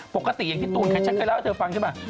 ปกติอย่างพี่ตูนใครฉันเคยเล่าให้เธอฟังใช่ป่ะ